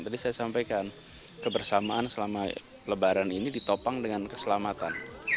tadi saya sampaikan kebersamaan selama lebaran ini ditopang dengan keselamatan